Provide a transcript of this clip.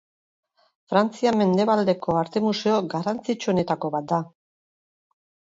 Frantzia mendebaldeko arte museo garrantzitsuenetako bat da.